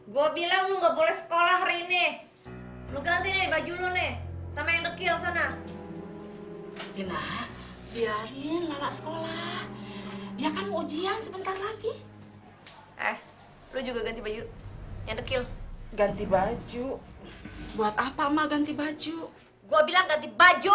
gue bilang ganti baju